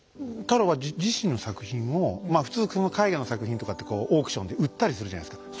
太郎は自身の作品を普通絵画の作品とかってオークションで売ったりするじゃないですか。